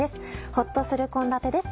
ホッとする献立です